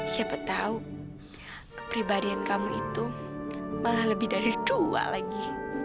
siapa tahu kepribadian kamu itu malah lebih dari dua lagi